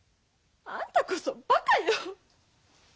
あんたこそバカよ。